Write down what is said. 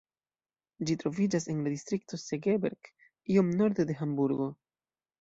Ĝi troviĝas en la distrikto Segeberg, iom norde de Hamburgo.